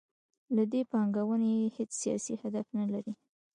له دې پانګونې یې هیڅ سیاسي هدف نلري.